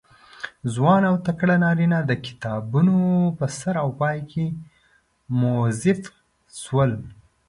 ځوان او تکړه نارینه د کتارونو په سر او پای کې موظف شول.